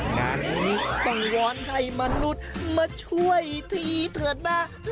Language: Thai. งานนี้ต้องย้อนให้มนุษย์มาช่วยทีเถอะนะ